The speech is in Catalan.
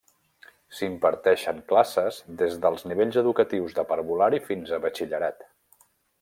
S'hi imparteixen classes des dels nivells educatius de parvulari fins a batxillerat.